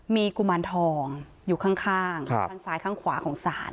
มีกุมารทองอยู่ข้างข้างซ้ายข้างขวาของศาล